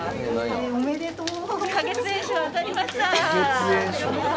おめでとう！